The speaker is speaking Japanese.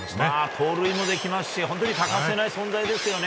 盗塁もできますし欠かせない存在ですよね。